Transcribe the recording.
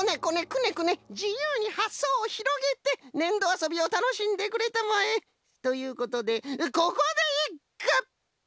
くねくねじゆうにはっそうをひろげてねんどあそびをたのしんでくれたまえ！ということでここでいっく！